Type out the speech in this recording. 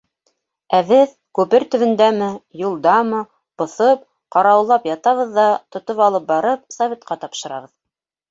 Ә беҙ күпер төбөндәме, юлдамы, боҫоп, ҡарауыллап ятабыҙ ҙа тотоп алып барып Советҡа тапшырабыҙ.